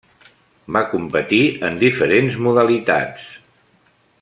Va competir en diferents modalitats.